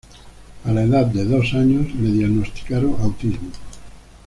A la edad de dos años, le diagnosticaron autismo.